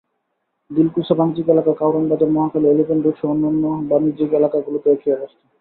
দিলকুশা বাণিজ্যিক এলাকা, কারওয়ান বাজার, মহাখালী, এলিফ্যান্ট রোডসহ অন্য বাণিজ্যিক এলাকাগুলোতেও একই অবস্থা।